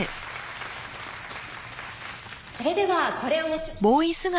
それではこれを持ち。